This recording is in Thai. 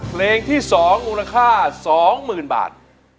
เพลงที่๒มูลค่า๒๐๐๐บาท